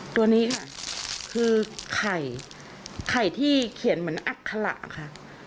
ตัวนี้ค่ะคือไข่ไข่ที่เขียนเหมือนอัคละค่ะ